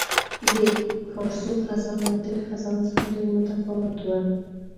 د کارسو خزان له تېر خزان څخه ډېر متفاوت وو.